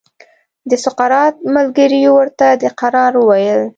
د سقراط ملګریو ورته د فرار وویل.